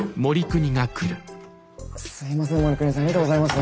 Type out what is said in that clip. すいません護国さんありがとうございます。